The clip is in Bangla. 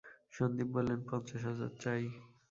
সন্দীপ বললেন, পঞ্চাশ হাজার চাই।